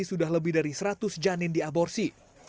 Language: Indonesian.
sudah lebih dari seratus janin diaborsi